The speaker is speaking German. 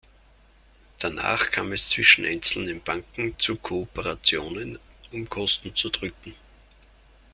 Danach kam es zwischen einzelnen Banken zu Kooperationen um Kosten zu drücken.